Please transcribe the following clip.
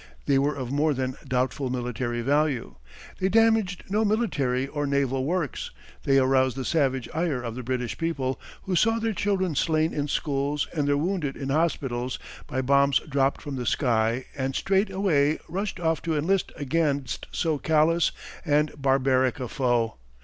They were of more than doubtful military value. They damaged no military or naval works. They aroused the savage ire of the British people who saw their children slain in schools and their wounded in hospitals by bombs dropped from the sky and straightway rushed off to enlist against so callous and barbaric a foe.